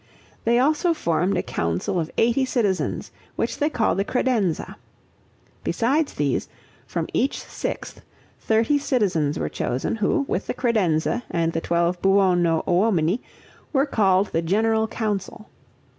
They also formed a council of eighty citizens, which they called the Credenza. Besides these, from each sixth, thirty citizens were chosen, who, with the Credenza and the twelve Buono Uomini, were called the General Council.